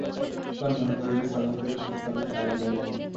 একবার মনে করিল স্বরূপের প্রস্তাবে সায় দিয়া যাইবে।